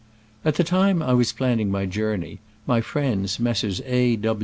At the time that I was planning my journey, my friends Messrs. A.